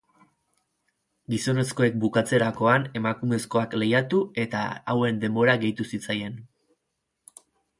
Gizonezkoek bukatzerakoan emakumezkoak lehiatu eta hauen denbora gehitu zitzaien.